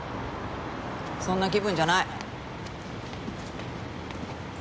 そんな気分じゃない。